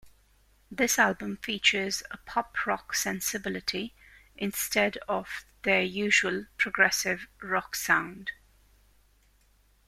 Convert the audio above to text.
This album features a pop rock sensibility, instead of their usual progressive rock sound.